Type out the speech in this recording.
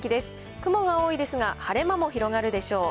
雲が多いですが晴れ間も広がるでしょう。